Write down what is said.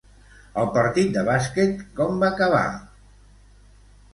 El partit de bàsquet com va acabar?